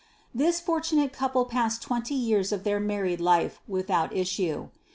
172. This fortunate couple passed twenty years of their married life without issue.